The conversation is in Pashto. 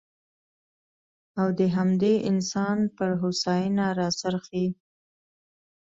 او د همدې انسان پر هوساینه راڅرخي.